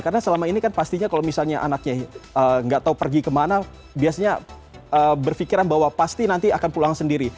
karena selama ini kan pastinya kalau misalnya anaknya nggak tahu pergi kemana biasanya berpikiran bahwa pasti nanti akan pulang sendiri